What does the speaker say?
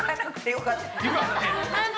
よかったね